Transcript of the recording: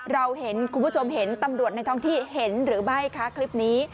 เราเห็นคุณผู้ชมเห็นตำรวจในท้องที่เห็นหรือไม่คะคลิปนี้